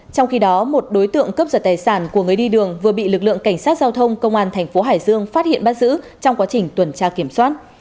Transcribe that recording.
trong khi đó một đối tượng cấp giật tài sản của người đi đường vừa bị lực lượng cảnh sát giao thông công an thành phố hải dương phát hiện bắt giữ trong quá trình tuần tra kiểm soát